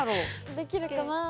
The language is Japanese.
できるかな？